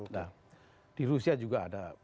nah di rusia juga ada